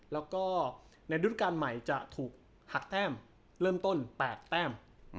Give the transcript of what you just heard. แล้วก็ในรุ่นการใหม่จะถูกหักแต้มเริ่มต้น๘แต้ม